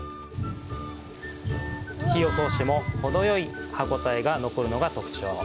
火を通しても程よい歯応えが残るのが特徴。